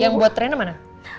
yang buat rena mana